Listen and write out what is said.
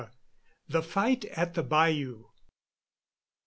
THE FIGHT AT THE BAYOU.